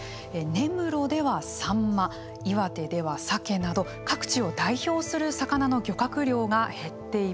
根室ではサンマ岩手ではサケなど各地を代表する魚の漁獲量が減っています。